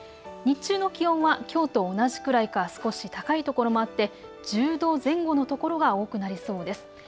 日中の気温はきょうと同じくらいか少し高いところもあって１０度前後の所が多くなりそうです。